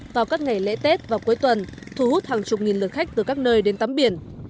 vào các ngày lễ tết và cuối tuần thu hút hàng chục nghìn lượt khách từ các nơi đến tắm biển